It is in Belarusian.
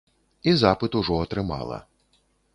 І запыт ужо атрымала.